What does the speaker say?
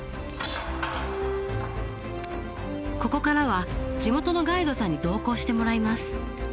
ここからは地元のガイドさんに同行してもらいます。